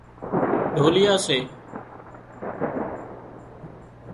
ڍوليئا سي